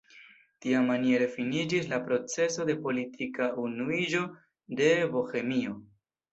Tiamaniere finiĝis la proceso de politika unuiĝo de Bohemio.